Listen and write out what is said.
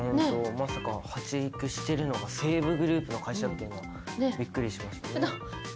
まさかはち育してるのが西武グループの会社っていうのはびっくりしました。